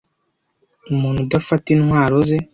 umuntu udafata intwaro ze